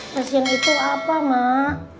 pasien itu apa mak